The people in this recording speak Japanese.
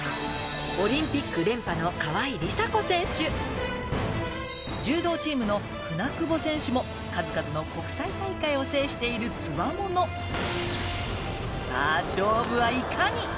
オリンピック連覇の柔道チームの舟久保選手も数々の国際大会を制しているつわものさぁ勝負はいかに？